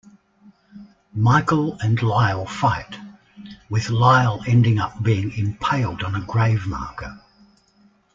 Michael and Lyle fight, with Lyle ending up being impaled on a grave marker.